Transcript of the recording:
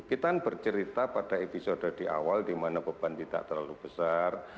kita bercerita pada episode di awal di mana beban tidak terlalu besar